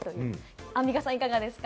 アンミカさん、いかがですか？